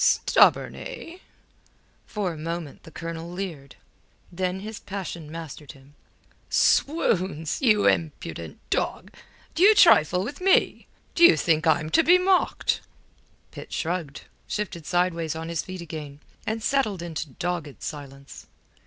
"Stubborn, eh?" For a moment the Colonel leered. Then his passion mastered him. "'Swounds! You impudent dog! D'you trifle with me? D'you think I'm to be mocked?" Pitt shrugged, shifted sideways on his feet again, and settled into dogged silence.